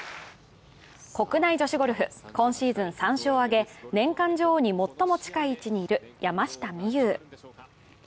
国内女子ゴルフ、今シーズン３勝を挙げ、年間女王に最も近い位置にいる山下美夢有。